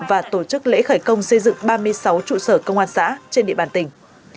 và tổ chức lễ khởi công xây dựng ba mươi sáu trụ sở công an xã trên địa bàn tỉnh